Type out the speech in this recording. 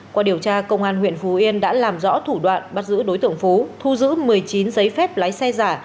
qua điều tra công an huyện phú yên đã làm rõ thủ đoạn bắt giữ đối tượng phú thu giữ một mươi chín giấy phép lái xe giả